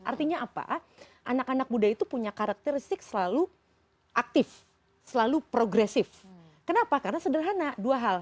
artinya apa anak anak muda itu punya karakteristik selalu aktif selalu progresif kenapa karena sederhana dua hal